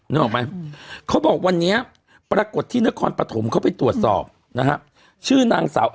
นึกออกไหมเขาบอกวันนี้ปรากฏที่นครปฐมเขาไปตรวจสอบนะฮะชื่อนางสาว